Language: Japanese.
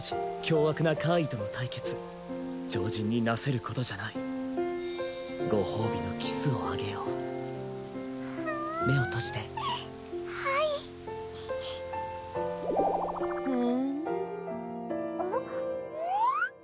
凶悪な怪異との対決常人に成せることじゃないご褒美のキスをあげようはぁ目を閉じてはいふんああ？